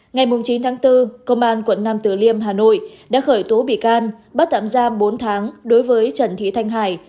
ngày chín tháng bốn công an quận nam tử liêm hà nội đã khởi tố bị can bắt tạm giam bốn tháng đối với trần thị thanh hải